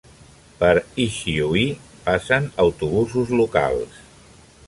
Per Ichiu hi passen autobusos locals.